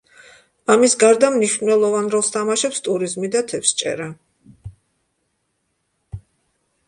ამის გარდა მნიშვნელოვან როლს თამაშობს ტურიზმი და თევზჭერა.